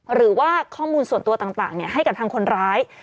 หรือว่าข้อมูลส่วนตัวต่างให้กับทางคนร้าย